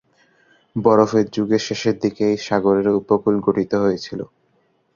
বরফের যুগের শেষের দিকে এই সাগরের উপকূল গঠিত হয়েছিল।